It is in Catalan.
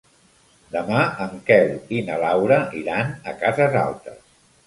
Demà en Quel i na Laura iran a Cases Altes.